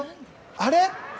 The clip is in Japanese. あれ？